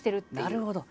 なるほど。